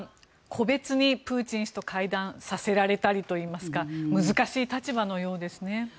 個別にプーチン氏と会談させられたりといいますか難しい立場のようですね。